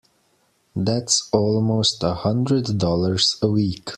That's almost a hundred dollars a week!